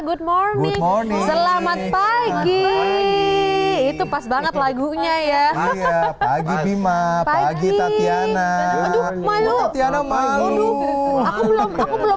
good morning selamat pagi itu pas banget lagunya ya pagi pagi tatiana malu aku belum aku belum